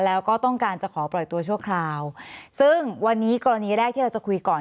แล้วก็ต้องการจะขอปล่อยตัวชั่วคราวซึ่งวันนี้กรณีแรกที่เราจะคุยก่อน